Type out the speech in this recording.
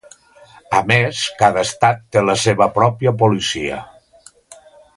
A més cada estat té la seva pròpia policia.